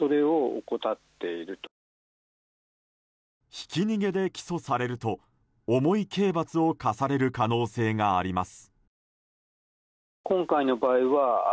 ひき逃げで起訴されると重い刑罰を科される可能性があります。